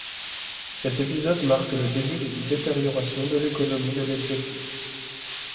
Cet épisode marque le début d'une détérioration de l'économie de l'Éthiopie.